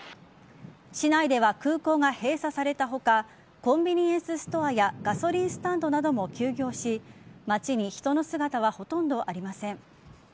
市内では空港が閉鎖された他コンビニエンスストアやガソリンスタンドなども休業し街に人の姿はほとんどありません。